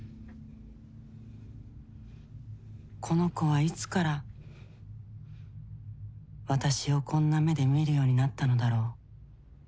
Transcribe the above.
この子はいつから私をこんな目で見るようになったのだろう。